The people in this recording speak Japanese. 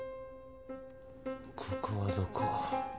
「ここはどこ？」